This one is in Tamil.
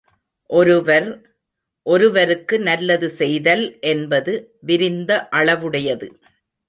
ஒருவர், ஒருவருக்கு நல்லது செய்தல் என்பது விரிந்த அளவுடையது.